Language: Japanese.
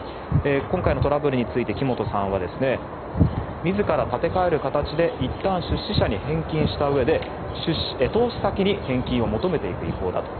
今回のトラブルについて木本さんは自ら立て替える形でいったん出資者に返金したうえで投資先に返金を求めていく意向だと。